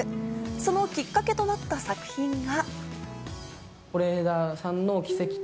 そのきっかけとなった作品が。